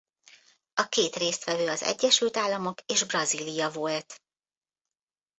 A két résztvevő az Egyesült Államok és Brazília volt.